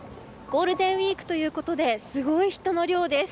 ゴールデンウイークということですごい人の量です。